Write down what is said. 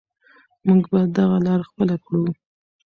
موږ به دغه لاره خپله کړو.